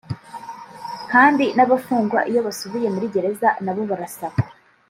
kandi n’abafungwa iyo basubiye muri gereza nabo barasakwa